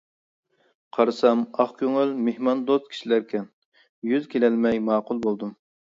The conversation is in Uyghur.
قارىسام، ئاق كۆڭۈل، مېھماندوست كىشىلەركەن، يۈز كېلەلمەي ماقۇل بولدۇم.